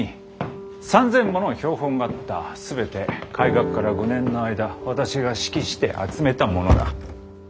全て開学から５年の間私が指揮して集めたものだ。